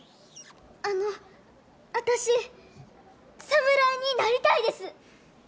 あの私侍になりたいです！